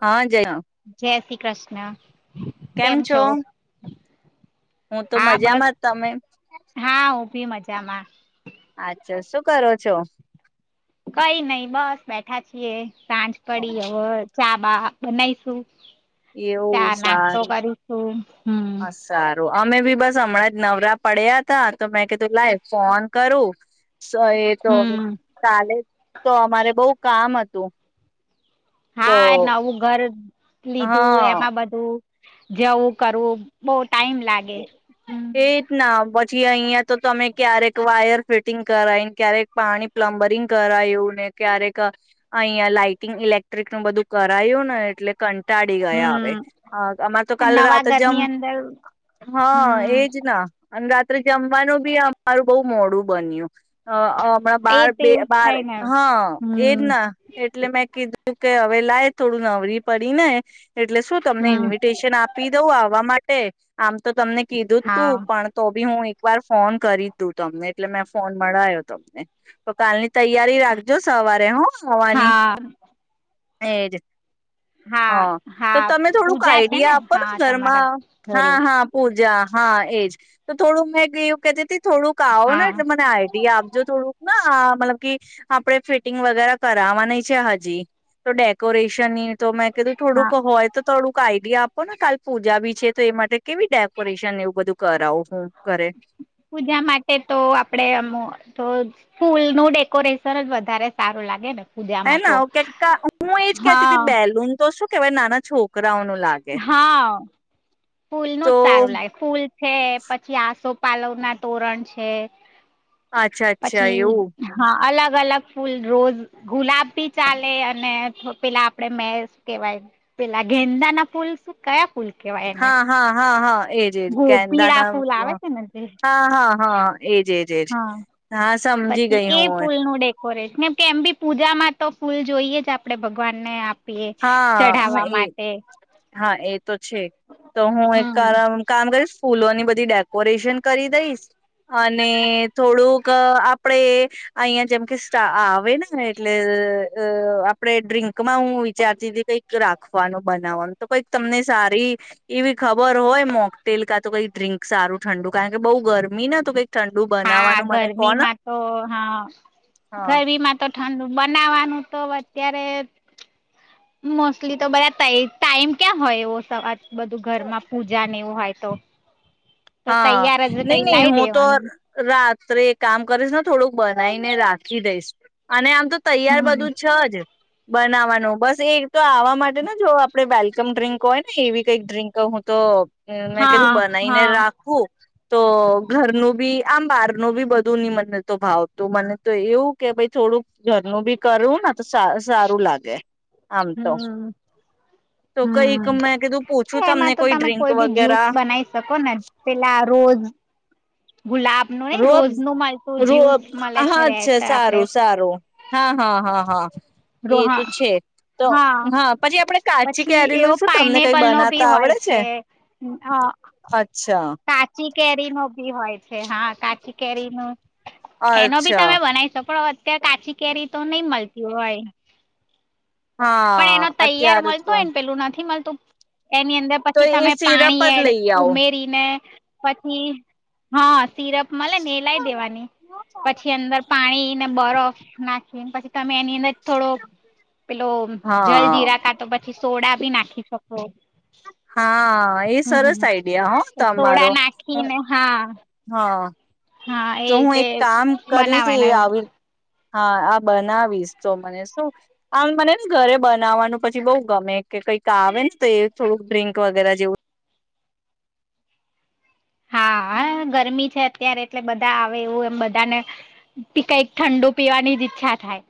હા જય જય શ્રી કૃષ્ણ કેમ છો હું તો હા બસ મજામાં જ તમે હા હું બી મજામાં શુ કરો છો કઈ નઈ બસ બેઠા છીએ સાંજ પડી હવે ચાબા બનાઈશું એવું ચા નાસ્તો સારું કરીશું હમ સારું અમે બી બસ હમણાં જ નવરા પડ્યા હતા તો મેં ક તું લાઈ ફોન કરું એ તો હવે હમ ચાલે તો અમારે બઉ કામ હતું તો હા નવું ઘર લીધું હા એમાં બધું. જેવું કરવું બવ એતના બ ચી અહિયાં તો તમે ક્યારેક વાયર ફિટિંગ કરાઈન ક્યારેક પાણી પ્લમ્બરિંગ કરાયું ને ક્યારેક અહિયાં લાાઈટિંગ ઇલેક્ટ્રિક નું બધું કરાયું ને એટલે કં ટાડી ગયા હવે હમ આમાં તો કાલ નવા રાત જેમ ઘરની અંદર હા હમ એજ ના. અને રાત્રે જમવાનું બી અમારું બહુ મોડું બન્યું. હમણાં એ બાર તો બે એવું જ બાર થાય ને હા એજ હમ ના એટલે મેં કીધ કે હવે લાય થોડું નવરી પડી ને. એટલે શું તમને હમ ઇન્વિટેશન આપી દઉં આવા મા ટે. આમ તો તમને કીધું જ હા તું પણ તો બી હું વાર ફોન કરી તું તમને એટલે મેં ફોન મળાયો તમને તો કાલની તૈયારી રાખજો સવારે હ. હા. હે જ હા હા પૂજા છે ને આઈડિયા આપો હા તમારા ઘરમાં ઘ હા હા પો. જ હા એજ તો થોડું મેં એવું કેતી તી. થોડુંક આવો ને હા એટલે મને આઈડીયા આપજો થોડુંક ના મતલબ કે આપડે ફિટિંગ વગેરે કરાવાની છે હજી તો ડેકોરેશની. તો મે કું થોડું હા કો હોય તો થોડું આઈડિયા આપો ને કાલ પૂજા બી છે. તો એ માટે કેવી ડેકોરેશન એવું બધું કરાવ છું. પૂજા માટે તો આપડે એમ. તો ફૂલનું ડેકોરેશન જ વધારે સારું લાગે ને. હે પૂજામાં ના તો એવુ કંઈકા હું એજ કેતી હતી હા બેલુન તો શું કેવાય નાના છોક હા ફૂલનું તો જ સારું લાગે ફૂલ છે પછી આસો પાલવ ના તોરણ છે. અચ્છા અચ્છા પછી એવું હા અલગ અલગ ફૂલ રોજ ગુલાબ ભી ચાલે અને પેલા આપડે મે કેવાય પેલા ગેંડાના ફૂલ શું કયા ફૂલ. કેવાય એને હા હા હા હા. એજ એજ ગો કેન્દાં પીળા ના ફૂલ આવે છે ને તે હા હા હા. એજ એજ એજ, હા હા સમજી પછી ગઈ એ હું ફૂલ નું ડેકોરેશન કેમ કે એમ બી પૂજામાં તો ફૂલ જોઈએ જ આપડે ભગવાનને આપ હા એ, હા એ તો છે તો હું હમ એકમ કામ કરીશ ફૂલોની બધી ડેકોરેશન કરી દઈશ અને થોડુંક આપડે અહીિયાં જેમ કે સા આવે ને એટલે અ અ આપણે ડ્રિંકમાં હું અત્યારથી કંઈક રાખવાનું બનાવવાનું તો કઈક તમને સારી એવી ખબર હોય મોકટેલ કા તો કઈ ડ્રિંક સારું ઠંડુ. કારણ કે બઉુ ગરમી ના તો કંઈક ઠં હા, ગરમીમાં તો હા હા. ગરમીમાં તો ઠંડુ બનાવવાનું તો અત્યારે મોસ્ટલી તો બધા ટાઇ ટાઈમ ક્યાં હોય એવો. બધું ઘરમાં પૂજા ને એવું હોય. તો. તો હા તૈયાર જ નહી કઈ નહી લાવી હું તો દેવાનું રાત ત્રે કામ કરીશ ને થોડુંક બનાવીને રાખી દઈશ અને આમ તો તૈયાર હમ બધું છે જ. બનાવાનું બસ એ તો આવા માટે ને જો આપડે વેલકમ ડ્ર્રીંક હોય ને એવી કંઈક ડ્ર્રીંક હું તો મેં હા કીધું બનાવીને હા રાખ તો ઘરનું બી આમ બહારનું બી બધું ની મને તો ભાવ તું મને તો એવું કે ભાઈ થોડુંક ઘરનું બી કરવું ને તો સા સારું લાગે. આમ તો હમ તો કઈક હમ મેં કીધું પૂછું તમને એમાં તો કોઈ તમે ડ્રિંક વગેરા એલા રોજ રોબ નું મળતું રો જ્યુસ મળે હા છે અચ્છા રેટ આપડે સારું સારું, હા હા હા હા એ રોહ તો છે તો હા પછી આપડે કાચી પછી એવો કેરીનું શું તમને કઈ પાઈનેપલ નો બી બનાતા હોય આવડે છે? અ અચ્છા. કાચી કેરી નો ભી હોય. હા કાચી કેરી નું એનો ભી અચ્છા તમે બનાવી શકો ત્યાં કાચી કેરી તો નહી મળતી હોય. પણ હા અત્યારે તો તો એની અંદર તો પછી એ તમે સિરપ પાણી જ એડ લઈ આવો ઉમેરી પછી, હા સિરપ મળે ને એ લાઈ દેવાની પછી અંદર પાણી ને બરફ નાખી પછી તમે એની અંદર થોડો પેલો જલ હા જીરા કા તો પછી સોડા બી નાખી શકો. હા એ સરસ આઈડિયા હો એક તોળ તમારો નાખીને, હા. હા હા એ તો હું રીતે એક કામ કરીશ એ બનાવાયને આવી હા આ બનાવીશ તો મને શું આમ મનેને ઘરે બનાવવાનું પછી બઉ ગમે કે કઈક આવે ને તો થોડુંક ડ્રિંક વગેરે જેવું હા ગરમી છે અત્યારે એટલે બધા આવે એવું એમ બધાને કઈક ઠંડુ પીવાની જ ઈચ્છા થાય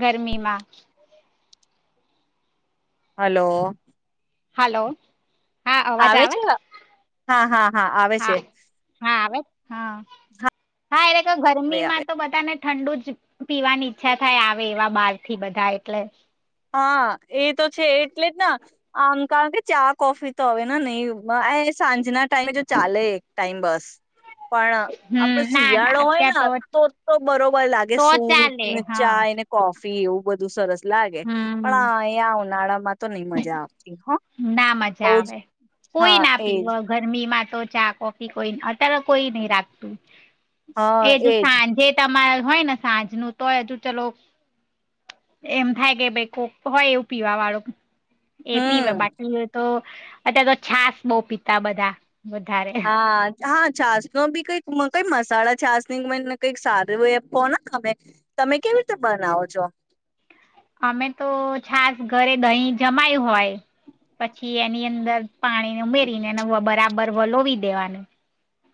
ગરમીમાં હલો હલો હા અવાજ આવે છે હા હા આવે હા છે હા આવે હા હા એ હવે આવે ગરમીમાં તો બધાને ઠંડુ જ પીવાની ઈચ્છા થાય આવે એવા બાર થી બધા એટલે હા એ તો છે એટલે જ ના આમ કારણ કે ચા કોફી તો હવે ને નહી એ સાંજના ટાઈમે જો ચાલે એક ટાઈમ બસ પણ હમ આપડો ના ના શિયાળો હોય અત્યાર ને તો તો બરોબર લાગે તો સૂપ ચાલે ને હા ચાય ને કોફ ફી એવું બધું સરસ લાગે પણ હમ એયા ઉનાળામાં તો નઈ મજા આવતી હ ના મજા બઉ જ આવે કોઈ હા ના એજ પીવા ગરમીમાં તો ચા કોફી કોઈ અત્યારે કોઈ નહી રાખતું હા એજું એજ સાંજે તમારે હોય ને સાંજ નું તોય હજુ ચલો એમ થાય કે ભાઈ કોક હોય એવું પીવા વાળું એ પીવા હમ બાકી હો તો અત્યારે તો છાસ બો પીતા બધા વધારે હા હા છાસ નો બી કઈક કઈ મસાલા છાસનીને કઈક સારું એ ને તમે તમે કેવી રીતે બનાવો છો અમે તો છાસ ઘરે દહીં જમાયું હોય પછી એની અંદર પાણીને ઉમેરીને એને બરાબર વલોવી દેવાનું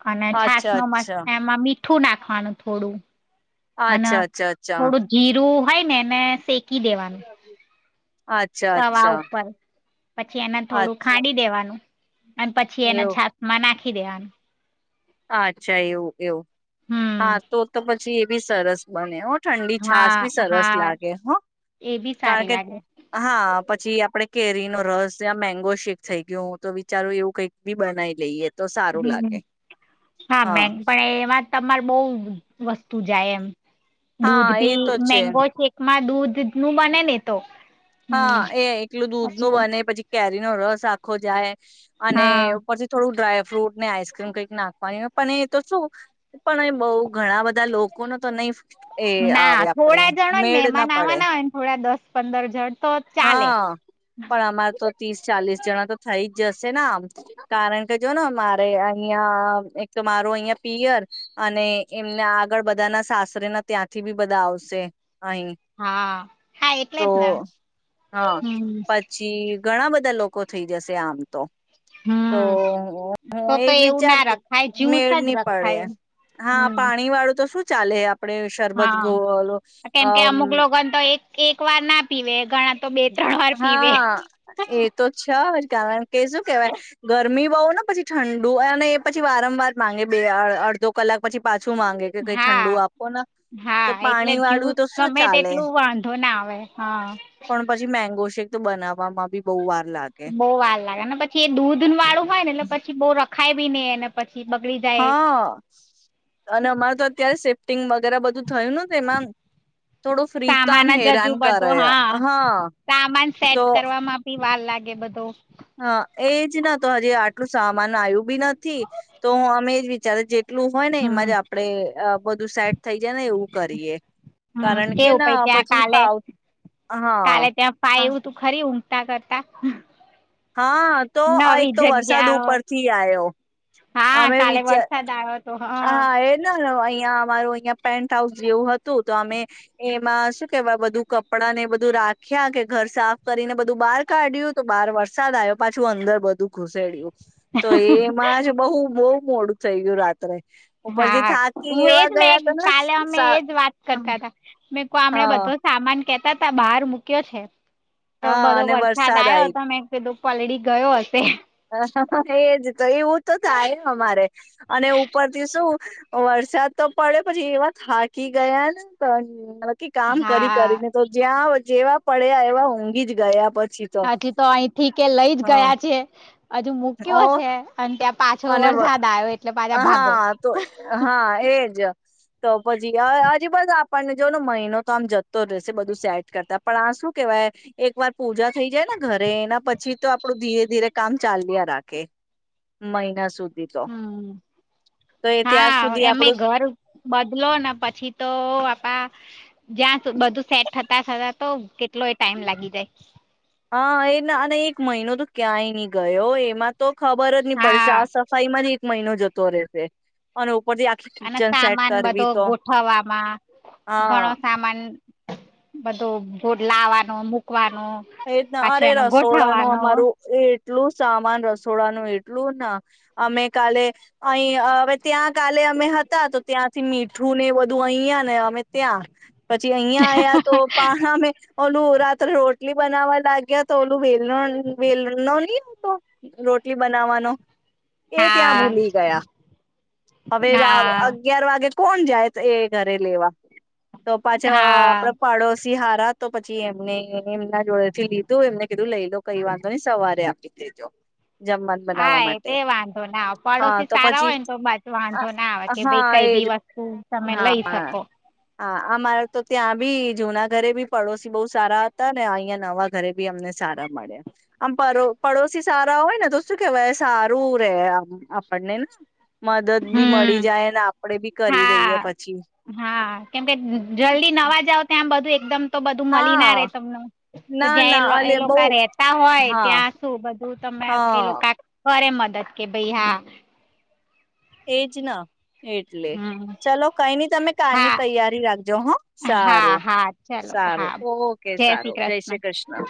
અને છાસ અચ્છા નો મત અચ્છા એમાં મીઠ મીઠુ નાખવાનું થોડું હના અચ્છા અચ્છા થોડું જીરું હોય ને એ ને સે કી દેવાનું અચ્છા તવા અચ્છા ઉપર પછી એને થોડું અચ્છા ખાંડી દેવાનું અને પછી એને એવું છાાસ માં ના ખીદન અચ્છા એવું એવું હમ હા તો તો પછી બી સરસ બને ઠંડી છાસ હા બી સરસ હા લાગે હો એ બી કારણ સારી કે લાગે હા પછી આપડે કેરી નો રસ મેંગો શેક થઈ ગયો હું તો વિચારું એવું કંઈક બી બનાવી લઈએ તો સારું હમ લાગે હા મે પણ એ વાત તમારે બહુ વસ્તુ જાય એમ હા દૂધ એ ભી તો છે મેંગો સેકમાં દૂધ દુધ નું મને નને તો હમ હા એ એકલું દૂધ નું પછી બને પછી કેરી નો રસ આખો જાય અને હા ઉપર થી થોડુંક ડ્રાય ફ્રૂટ ને આઈસ એમ કંઈક નાખવાની હોય પણ એ તો શું પણ બહુ ઘણા બધા લોકો ન તો નહીં ના થોડા જણને ના મહેમાન પડે આવાના હોય ને થોડા દસ-પંદર જણ તો ચાલે હા પણ અમારે તો ત્રીસ-ચાલીસ જણા તો થાય થઈ જ જશે ને આમ કારણ કે જો ને મારે અહિયાં એક મારો અહિયાં પિયર અને એમને આગળ બધા ના સાસરેના ત્યાંથી બી બધા આવશે. અહી હા હા એટલે તો જ ને હા હમ પછી ઘણા બધા લોકો થઈ જશે આમ તો તો હમ હું તો તો એજ એવું ના વિચારતી રખાય મેળ જ્યુસ જ ની પડે રખાય હા હમ પાણી વાળું તો શું ચાલે ‌આપ આપડે શરબત હા ગોવાલો અ કેમ કે અમુક લોકોને તો એક એક વાર ના પીવે ઘણા તો બે ત્રણ વાર પીવે હા એ તો છે. કારણ કે શું કહેવાય ગરમી બહુ ને પછી ઠંડુ અને એ પછી વારંવાર માંગે બે અડધો કલાક પછી પાછુ. હા તો હા એટલે પાણી વાળું જુસ તો શું ગમે ચાલે તેટલું વાંધો ના આવે હા પણ પછી મેંગો શેક તો બનાવવામાં ભી બહુ વાર લાગે બો વાર લાગે ને પછી એ દૂધ દૂધવાળો હોય ને પછી ખાઈ બી ને એને પછી બગડી જાય હા, અને અમારે તો અત્યારે ટિંગ્ બધું થયું ને, તેમાં થોડું ફ્રીજ તો આમ સામાન જ હજુ હેરાન બધો કરે, હા, સામાન સેટ તો કરવામાં બી વાર લાગે. બધો હા, એજ, ના તો હજી આટલું સામાન આવ્યું બી નથી, તો હું અમેજ વિચારે જે એટલું હોય ને, હમ એમાં જ આપણે અ બધું સેટ થઈ જાય ને, એવું કરીએ. હમ, કારણ કે કેવું પણ ના ત્યાં પછી ફાવ કાલે-કાલે ત્યાં હા ફાઈવું તું ખરી કરતા, કરતા. હા, તો આ એક નવી તો વરસાદ જગ્યા ઉપરથી આવ્યો. હા અમે કાલે વિચાર. હ, વરસાદ આવ્યો હતો હા, હ એ ન અહિયાં અમારું અહિયાં પેન્ટ હાઉસ જેવું હતું, તો અમે એમાં શું કહેવાય, બધું કપડા ને બધું રાખ્યા કે ઘર સાફ કરીને બધું બહાર કાઢ્યું, તો બહાર વરસાદ આવ્યો, પાછું અંદર બધું ઘુસેડિયું. તો એમાં જ તો બહુ મોડું થઈ ગયું રાત્રે ઉપરથી હા, થાકી હું એજ એવા ગયા મેં તો ને કલે અમે સા- એજ વાત કરતા હતા. મે આપણે હા બધો સામાન કેતા હતા બહાર મૂક્યો છે. તો હા બધો અને વરસાદ આવ્યો આઈ હતો મેં કીધું ઓલરેડી ગયો હશે. એજ એવું તો થાય અમારે અને ઉપરથી શું વરસાદ તો પડે પછી એવા થાકી ગયા ને કે કામ કરી હા કરીને તો જ્યાં જેવા પડ્યા, એવા ઊંઘી જ ગયા પછી. હાજી તો અહીથી કે લઈ જ હા ગયા છે. હજુ ઓ મૂક્યો છે, અને ત્યાં પાછો અને વરસાદ આવ્યો એટલે પાછા ભાગો. હા તો હા એજ તો પછી હજી બધ આપણને જો ને મહિનો તો આમ જતો જ રહેશે બધું સેટ કરતા. પણ આ શું કેવાય એક વાર પૂજા થઈ જાય ને ઘરે એ પછી તો આપડું ધીરે ધીરે કામ ચાલ રહ્યા રાખે મહિના સુધી તો હમ. તો એ ત્યાર હા, સુધી એમે આપડું ઘર બદલો ને પછી તો બાપા જ્યાં બધું સેટ થતા થતા તો કેટલો એ ટાઈમ લાગી જાય. હા, એ અને એક મહિનો તો ક્યાંય નહી ગયો. એમાં તો ખબર જ નહી પડશે હા. સફાઈ માં જ મહિનો જતો રહેશે અને ઉપરથી આખી અને કિચન સેટ સામાન કરવી બધો તો ગોઠવવામાં ઘણો હા સામાન બધો ભટ લાવવાનો મકવાનો એ રીતના અરે રસોડા ન અમારું એ એટલું સામાન રસોડાનું એટલું ના અમે કાલે અહી હવે ત્યાં કાલે અમે હતા તો ત્યાંથી મીઠું નેું તું અહીંયા ને અમે ત્યાં પછી અહં આવયા તો પાણામે ઓલ રાત્રે રોટ ટલી બનાવવા લાગ્યા તો ઓલું વલ વેલનાની રોટલી બનાવાનો એ ત્યાં હા ભૂલી ગયા હવે હા અગિયાર વાગે કોણ જાય એ ઘરે લેવા તો પાછો હા આપડે પાડોશ સિહારા તો પછી એમને એમના જોડે થી લીધું એમને કીધું લઈ લો કઈ વાંધો નઈ સવારે આપી દેજો જમવાનું હા બનાવવા એ તે માટે વાંધો ના આવે હા પડોશી તો સારા પછી હોય ને તો બાજુ વાંધો આ- ના આવે કે હા ભાઈ કઈ એજ બી વસ્તુ તમે લઈ હા શકો હા આ મારે તો ત્યાં બી જુના ઘરે બી પડોશી બહ સારા હતા ને અહિયાં નવા ઘરે બી અમને સારા મળ્યા આમ પડોશી સારા હોય ને તો શું કેવાય સારું રેહ આપણને મદદ બી મળી હમ જાય ને આપડે બી કરી દઈએ હા પછી હા તમ તો બધું મળી ના રે હા તમને તો ના ના જ્યાં એ અલે બઉ લોકો રેતા હોય હા ત્યાં શું બધું તમે એ હા લોકો કરે દદ કે ભાઈ હા એજ ના એટલે હમ ચલો કઈ નની તમે કની હા તૈયારી રાખજો હા હા સારું હા ચલો સારું હા ઓકે સારું જય શ્રી કૃષ્ણ